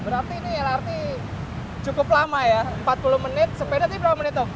lebih dulu sampai sepeda gitu berarti ini lrt cukup lama ya empat puluh menit sepeda ini berapa menit dong